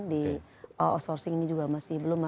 di outsourcing ini juga masih belum